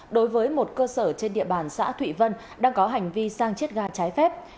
đối với một cơ sở trên địa bàn xã thụy vân đang có hành vi sang chiết ga trái phép